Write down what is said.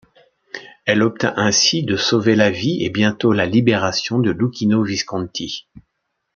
Elle obtint ainsi de sauver la vie et bientôt la libération de Luchino Visconti.